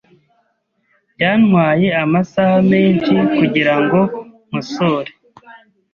Byantwaye amasaha menshi kugirango nkosore.